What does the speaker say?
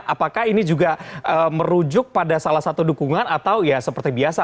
apakah ini juga merujuk pada salah satu dukungan atau ya seperti biasa